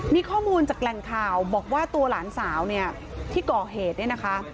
มีข้อมูลจากแหล่งข่าวบอกว่าตัวหลานสาวเนี่ยที่ก่อเหตุเนี่ยนะคะ